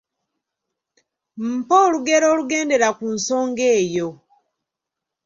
Mpa olugero olugendera ku nsonga eyo.